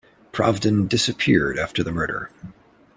Pravdin disappeared after the murder.